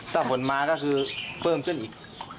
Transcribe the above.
ถ้าผลมาก็คือเพิ่มขึ้นอีก